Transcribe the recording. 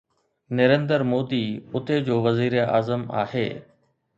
نريندر مودي اتي جو وزيراعظم آهي.